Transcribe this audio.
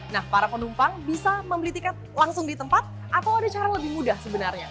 nah para penumpang bisa membeli tiket langsung di tempat atau ada cara lebih mudah sebenarnya